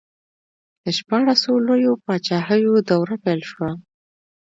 د شپاړسو لویو پاچاهیو دوره پیل شوه.